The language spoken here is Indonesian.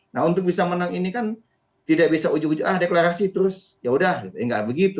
nah untuk bisa menang ini kan tidak bisa uju uju ah deklarasi terus yaudah ya tidak begitu